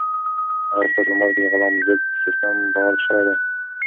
آیا ستاسو په موبایل کې د غلا ضد سیسټم فعال شوی دی؟